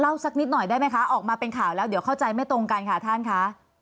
สักนิดหน่อยได้ไหมคะออกมาเป็นข่าวแล้วเดี๋ยวเข้าใจไม่ตรงกันค่ะท่านค่ะ